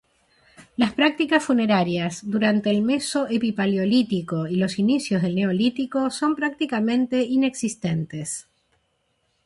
Las prácticas funerarias durante el Meso-epipaleolítico y los inicios del Neolítico son prácticamente inexistentes.